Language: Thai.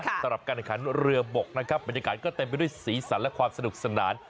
สำหรับการแข่งขันเรือบกนะครับบรรยากาศก็เต็มไปด้วยสีสันและความสนุกสนาน